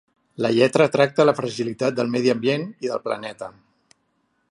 La lletra tracta la fragilitat del medi ambient i del planeta.